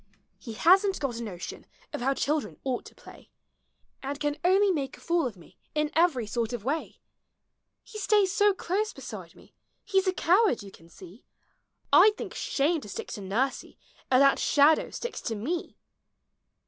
He hasn't got a notion of how children ought to play, And can only make a fool of me in every sort of way. lie stays so close beside me, he 's a coward you can see; I M think shiinie to stick to nursie as that shadow sticks to ine!